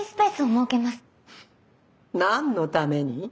何のために？